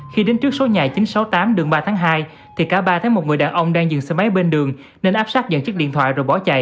khi đến trước số nhà chín trăm sáu mươi tám đường ba tháng hai thì cả ba thấy một người đàn ông đang dừng xe máy bên đường nên áp sát giật chiếc điện thoại rồi bỏ chạy